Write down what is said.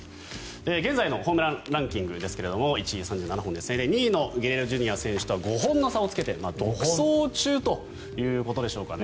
現在のホームランランキングですが１位、３７本で２位のゲレーロＪｒ．選手とは５本の差をつけて独走中ということでしょうかね。